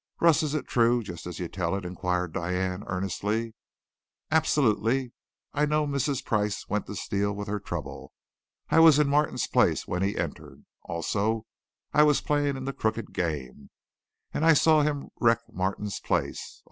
"Russ, is it true, just as you tell it?" inquired Diane earnestly. "Absolutely. I know Mrs. Price went to Steele with her trouble. I was in Martin's place when he entered. Also I was playing in the crooked game. And I saw him wreck Martin's place.